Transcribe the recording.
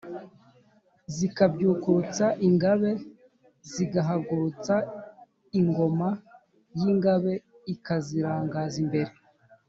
zikabyukurutsa ingabe: zigahagurutsa ingoma y’ingabe ikazirangaza imbere